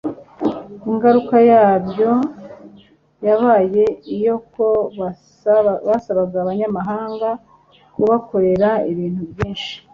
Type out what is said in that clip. Ingaruka yabyo yabaye iy’uko basabaga Abanyamahanga kubakorera ibintu byinshi